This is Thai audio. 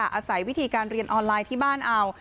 อาศัยวิธีการเรียนออนไลน์ที่บ้านเอา